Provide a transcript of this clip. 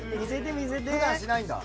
普段しないんだ。